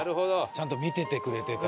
ちゃんと見ててくれてた。